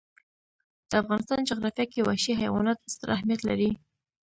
د افغانستان جغرافیه کې وحشي حیوانات ستر اهمیت لري.